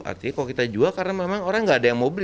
artinya kalau kita jual karena memang orang nggak ada yang mau beli